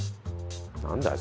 なんだい？